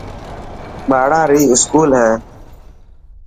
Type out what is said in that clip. ٻاڙا ري اسڪول هي.